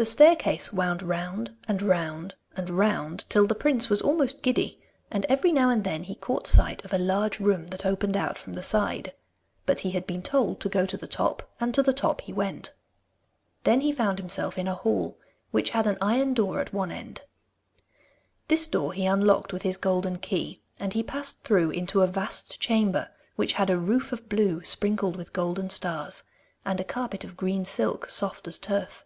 The staircase wound round and round and round, till the prince was almost giddy, and every now and then he caught sight of a large room that opened out from the side. But he had been told to go to the top, and to the top he went. Then he found himself in a hall, which had an iron door at one end. This door he unlocked with his golden key, and he passed through into a vast chamber which had a roof of blue sprinkled with golden stars, and a carpet of green silk soft as turf.